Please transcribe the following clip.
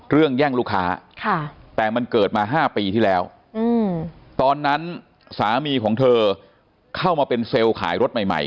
แย่งลูกค้าแต่มันเกิดมา๕ปีที่แล้วตอนนั้นสามีของเธอเข้ามาเป็นเซลล์ขายรถใหม่